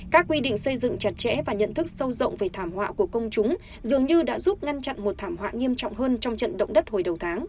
các quy định xây dựng chặt chẽ và nhận thức sâu rộng về thảm họa của công chúng dường như đã giúp ngăn chặn một thảm họa nghiêm trọng hơn trong trận động đất hồi đầu tháng